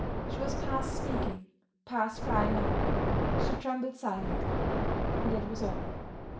She was past speaking, past crying out: she trembled silently, and that was all.